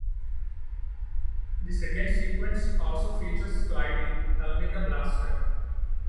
The second sequence also features Clyde helming a blaster.